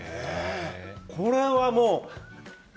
これはもう。